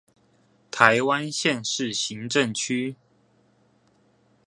臺灣縣市行政區